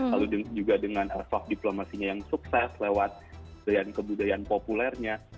lalu juga dengan airsoft diplomasinya yang sukses lewat kebudayaan populernya